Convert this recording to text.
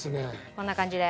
こんな感じで。